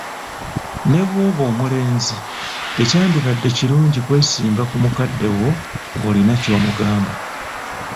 Ne bw'oba omulenzi, tekyandibadde kirungi kwesimba ku mukadde wo ng'olina ky'omugamba.